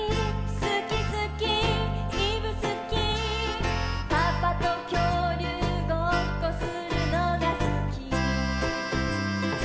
「すきすきいぶすき」「パパときょうりゅうごっこするのがすき」